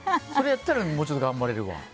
それやったらもうちょっと頑張れるわ。